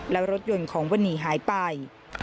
และรถยนต์ของวันนี้หายไป